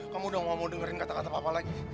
kamu udah mau dengerin kata kata papa lagi